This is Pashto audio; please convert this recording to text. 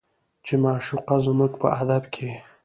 چې معشوقه زموږ په ادب کې